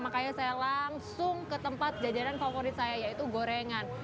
makanya saya langsung ke tempat jajanan favorit saya yaitu gorengan